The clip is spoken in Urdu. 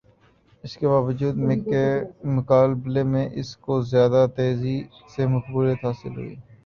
اس کے باوجود میک کے مقابلے میں اسی کو زیادہ تیزی سے مقبولیت حاصل ہوئی